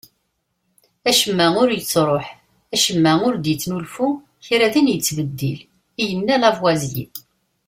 "Acemma ur yettruḥ, acemma ur d-yettnulfu, kra din yettbeddil", i yenna Lavoisier.